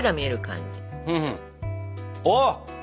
あっ！